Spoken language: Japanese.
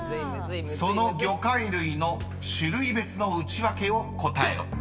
［その魚介類の種類別のウチワケを答えろ］